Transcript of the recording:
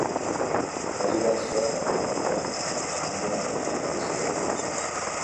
Va girar-se cap a la dona gran amb una mena de petició.